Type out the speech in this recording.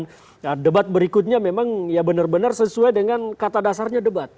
nah debat berikutnya memang ya benar benar sesuai dengan kata dasarnya debat